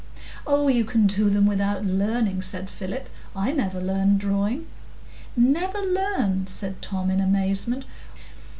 "Oh, you can do them without learning," said Philip; "I never learned drawing." "Never learned?" said Tom, in amazement.